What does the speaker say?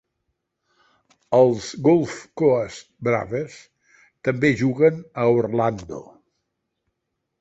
Els Gulf Coast Braves també juguen a Orlando.